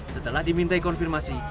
setelah dimintai konfirmasi